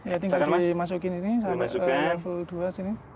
ya tinggal dimasukin ini sampai level dua sini